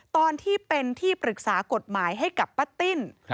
ตอนที่เป็นที่ปรึกษากฎหมายให้กับป้าติ้น